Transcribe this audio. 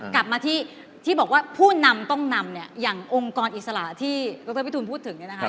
กลับมาที่ที่บอกว่าผู้นำต้องนำเนี่ยอย่างองค์กรอิสระที่ดรวิทูลพูดถึงเนี่ยนะคะ